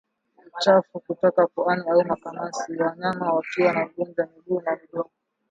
Uchafu kutoka puani au makamasi wanyama wakiwa na ugonjwa wa miguu na midomo